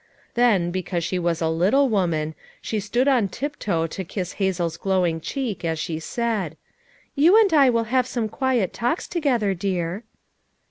Then, because she was a little woman, she stood on tiptoe to Mss Hazel's glowing cheek as she said: "You and I will have some quiet talks together, dear."